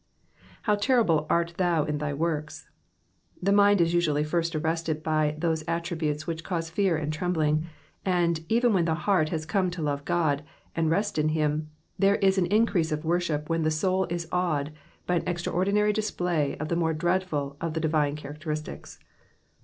'•^Uow terrible art thou in thy works.'''' The mind is usually first arrested by those attiibutes which cause fear and trembling ; and, even when the heart has come to love God, and rest in him, there is an increase of worship when the soul is awed by an extraordinary display of the mjre dreadful of the divine character istics.